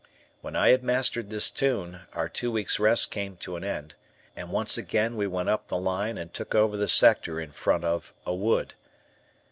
When I had mastered this tune, our two weeks' rest came to an end, and once again we went up the line and took over the sector in front of G Wood.